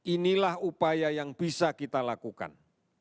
inilah upaya yang bisa kita lakukan